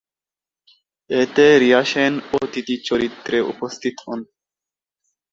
এতে রিয়া সেন অতিথি চরিত্রে উপস্থিত হন।